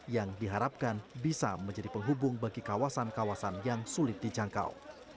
yang diharapkan bisa menjadi penghubung bagi kawasan kawasan yang sulit dijangkau